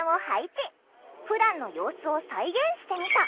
ふだんの様子を再現してみた。